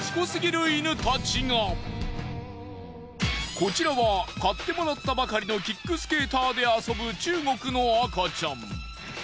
こちらは買ってもらったばかりのキックスケーターで遊ぶ中国の赤ちゃん。